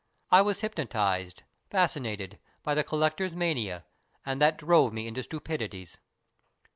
I was hypnotized, fascinated, by the collector's mania, and that drove me into stupidities."